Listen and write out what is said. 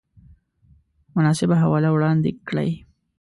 مناسبه حواله وړاندې کړئ